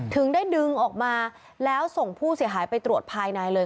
ถึงได้ดึงออกมาแล้วส่งผู้เสียหายไปตรวจภายในเลย